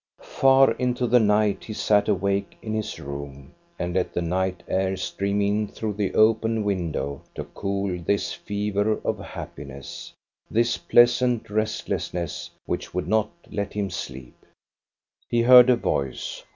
Far into the night he sat awake in his room, and let the night air stream in through the open window to cool this fever of happiness, this pleasant restlessness which would not let him sleep. He heard a voice.